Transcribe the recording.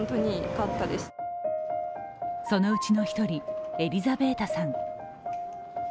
そのうちの１人、エリザベータさん。